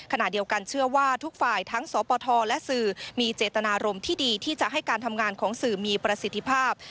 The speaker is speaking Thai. เชื่อว่าทุกฝ่ายทั้งสปทและสื่อมีเจตนารมณ์ที่ดีที่จะให้การทำงานของสื่อมีประสิทธิภาพ